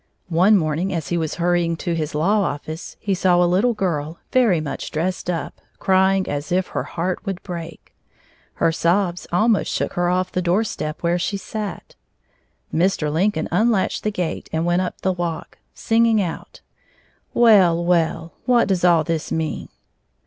One morning as he was hurrying to his law office, he saw a little girl, very much dressed up, crying as if her heart would break. Her sobs almost shook her off the doorstep where she sat. Mr. Lincoln unlatched the gate and went up the walk, singing out: "Well, well, now what does all this mean?"